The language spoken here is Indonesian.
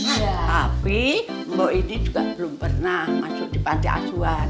tapi mbak ini juga belum pernah masuk di pantai asuan